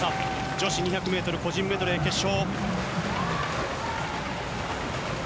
女子２００個人メドレー決勝。